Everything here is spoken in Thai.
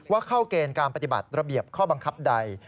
เข้าเกณฑ์การปฏิบัติระเบียบข้อบังคับใด